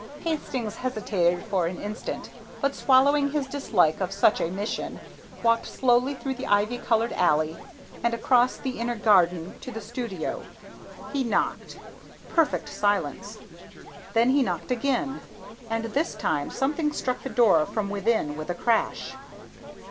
Hastings hesitated for an instant, but swallowing his dislike of such a mission, walked slowly through the ivy covered alley and across the inner garden to the studio. He knocked. Perfect silence. Then he knocked again, and this time something struck the door from within with a crash.